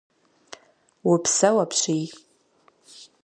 Упсэу апщий.